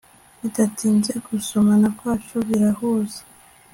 bidatinze, gusomana kwacu birahuza